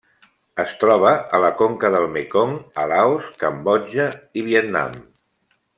Es troba a la conca del Mekong a Laos, Cambodja i Vietnam.